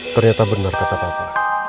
ternyata benar kata papa